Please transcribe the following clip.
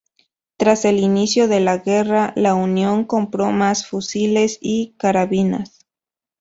Tras el inicio de la guerra, la Unión compró más fusiles y carabinas.